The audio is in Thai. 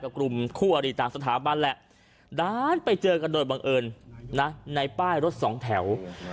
กลุ่มคู่อริต่างสถาบันแหละด้านไปเจอกันโดยบังเอิญนะในป้ายรถสองแถว